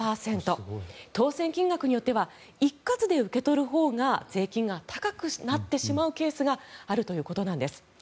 当選金額によっては一括で受け取るほうが税金が高くなってしまうケースがあるということなんです。